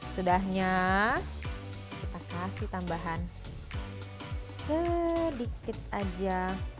sesudahnya kita kasih tambahan sedikit saja